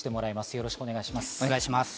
よろしくお願いします。